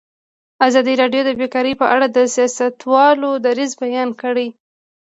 ازادي راډیو د بیکاري په اړه د سیاستوالو دریځ بیان کړی.